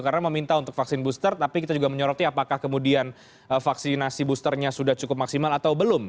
karena meminta untuk vaksin booster tapi kita juga menyoroti apakah kemudian ee vaksinasi boosternya sudah cukup maksimal atau belum